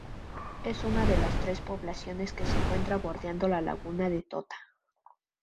Es una de las tres poblaciones que se encuentra bordeando la Laguna de Tota.